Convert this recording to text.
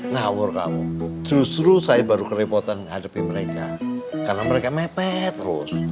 ngawur kamu justru saya baru kerepotan menghadapi mereka karena mereka mepet terus